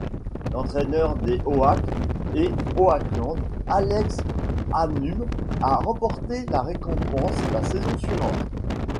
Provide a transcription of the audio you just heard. L’entraîneur des Oaks de Oakland, Alex Hannum a remporté la récompense la saison suivante.